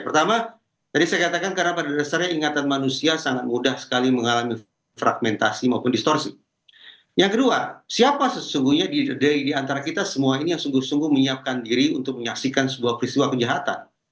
pertama tadi saya katakan karena pada dasarnya ingatan manusia sangat mudah sekali mengalami fragmentasi maupun distorsi yang kedua siapa sesungguhnya di antara kita semua ini yang sungguh sungguh menyiapkan diri untuk menyaksikan sebuah peristiwa kejahatan